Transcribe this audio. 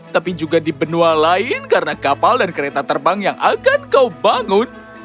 tapi juga di benua lain karena kapal dan kereta terbang yang akan kau bangun